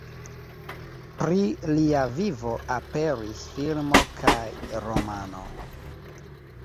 Pri lia vivo aperis filmo kaj romano.